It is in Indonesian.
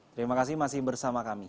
terima kasih masih bersama kami